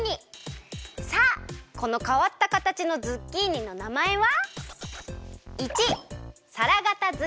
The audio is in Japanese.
さあこのかわったかたちのズッキーニのなまえは？